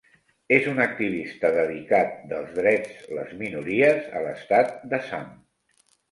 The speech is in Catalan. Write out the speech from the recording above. És un activista dedicat dels drets les minories a l'estat d'Assam.